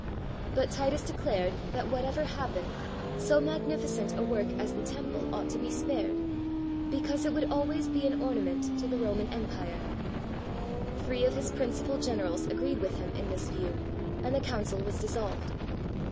But Titus declared that, whatever happened, so mag nificent a work as the Temple ought to be spared, be cause it would always be an ornament to the Roman 599 PALESTINE Empire. Three of his principal generals agreed with him in this view, and the comicil was dissolved.